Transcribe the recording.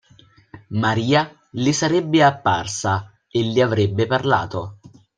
Maria le sarebbe apparsa e le avrebbe parlato.